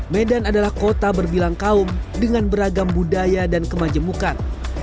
medan adalah kota berbilang kaum dengan beragam budaya dan kemajemukan